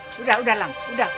sudah sudah lam